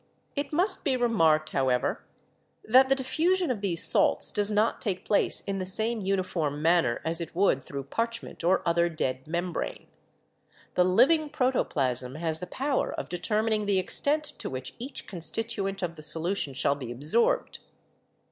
It must be remarked, however, that the diffusion of these salts does not take place in the same uni form manner as it would through parchment or other dead membrane. The living protoplasm has the power of deter mining the extent to which each constituent of the solution shall be absorbed.